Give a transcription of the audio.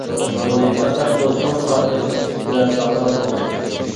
بۇنى پەقەت دوستلۇق خاتىرىسى سۈپىتىدە ساقلاپ قويۇڭ.